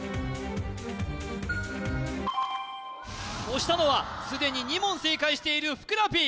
押したのは既に２問正解しているふくら